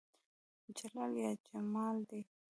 جلال دى يا جمال دى